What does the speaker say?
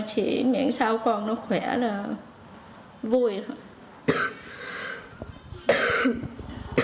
chỉ miệng sau con nó khỏe là vui thôi